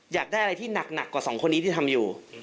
อยากได้อะไรที่หนักกว่าสองคนนี้ที่ทำอยู่